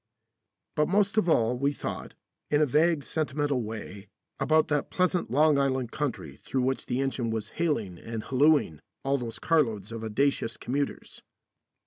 But most of all we thought, in a vague sentimental way, about that pleasant Long Island country through which the engine was haling and hallooing all those carloads of audacious commuters.